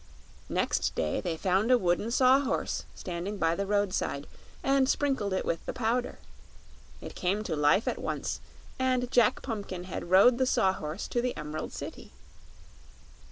"Next day they found a wooden Saw Horse standing by the roadside, and sprinkled it with the Powder. It came to life at once, and Jack Pumpkinhead rode the Saw Horse to the Emerald City."